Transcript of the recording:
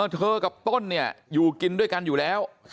เธอกับต้นเนี่ยอยู่กินด้วยกันอยู่แล้ว